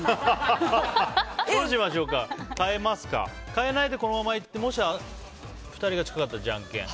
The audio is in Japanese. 変えないでこのままいってもし２人が近かったらじゃんけん。